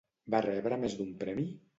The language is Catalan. Va rebre més d'un premi?